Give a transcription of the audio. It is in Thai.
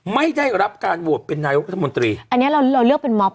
ไม่ได้รับการโหวตเป็นนายกรัฐมนตรีอันเนี้ยเราเราเลือกเป็นม็อบ